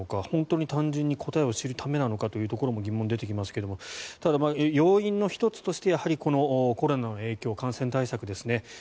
本当に単純に答えを知るためなのかというところも疑問が出てきますがただ、要因の１つとしてやはりこのコロナの影響感染対策ですね